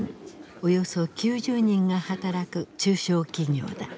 およそ９０人が働く中小企業だ。